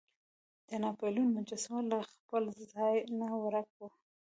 د ناپلیون مجسمه له خپل ځای نه ورک وه.